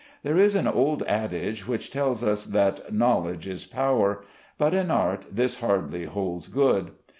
There is an old adage which tells us that "knowledge is power," but in art this hardly holds good.